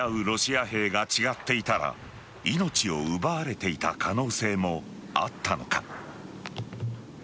ロシア兵が違っていたら命を奪われていた可能性もあったのか。